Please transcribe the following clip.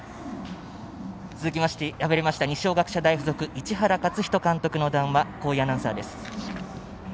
続きまして、敗れました二松学舎大付属市原勝人監督の談話です。